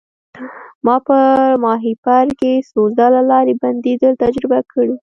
ما په ماهیپر کې څو ځله لارې بندیدل تجربه کړي.